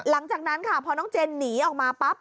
หลังจากนั้นค่ะพอน้องเจนหนีออกมาปั๊บ